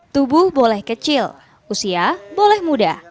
tubuh boleh kecil usia boleh muda